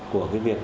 của việc đầu tư